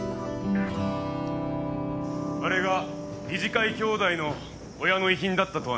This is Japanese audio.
あれが理事会きょうだいの親の遺品だったとはな。